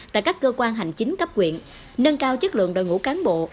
tại các cơ quan hành chính cấp quyện nâng cao chất lượng đội ngũ cán bộ